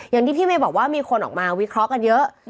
อย่างที่พี่เมย์บอกว่ามีคนออกมาวิเคราะห์กันเยอะ